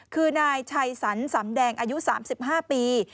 คือนายชัยสรรสำแดงอายุ๓๕ปี